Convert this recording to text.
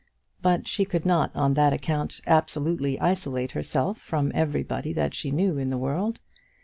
But she could not on that account absolutely isolate herself from everybody that she knew in the world.